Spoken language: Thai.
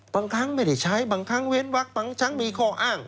บางครั้งไม่ได้ใช้บางครั้งเว้นวักบางครั้งมีข้ออ้าง